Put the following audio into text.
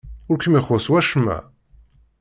Ur kem-ixuṣṣ wacemma?